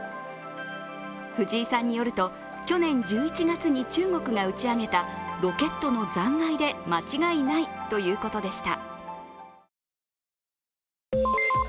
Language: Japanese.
藤井さんによると去年１１月に、中国が打ち上げたロケットの残骸で間違いないということでした。